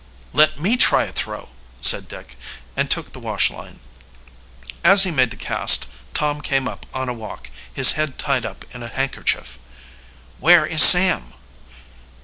"Let me try a throw," said Dick, and took the wash line. As he made the cast, Tom came up on a walk, his head tied up in a handkerchief. "Where is Sam?"